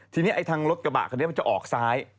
ทีนี้ไอ้ทางรถกระบะคันนี้มันจะออกซ้าย